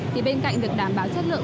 thì bên cạnh được đảm bảo chất lượng